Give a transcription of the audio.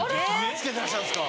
着けてらっしゃるんですか。